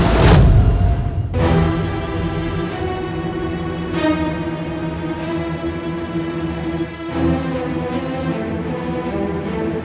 jangan sampai aku kemana mana